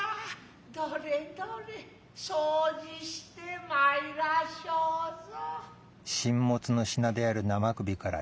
どれどれ掃除して参らせうぞ。